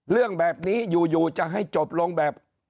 เรื่องแบบนี้อยู่จะให้จบลงแบบ